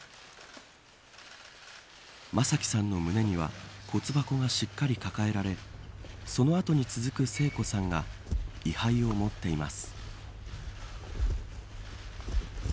正輝さんの胸には骨箱がしっかり抱えられその後に続く聖子さんが位牌を持っています。